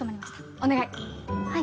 お願い。